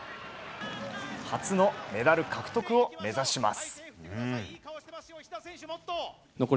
初のメダル獲得を目指します。